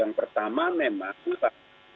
yang pertama memang kita